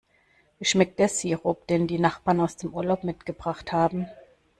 Wie schmeckt der Sirup, den die Nachbarn aus dem Urlaub mitgebracht haben?